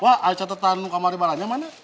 pak aica tetanu kamar barangnya mana